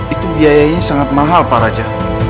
itu biayanya sangat mahal pak raja